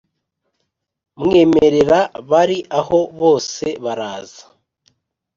mwemerera bari aho bose baraza